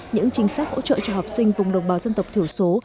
những chính sách hỗ trợ cho học sinh vùng đồng bào dân tộc thiểu số